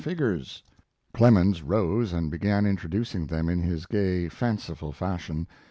figures. Clemens rose and began introducing them in his gay, fanciful fashion.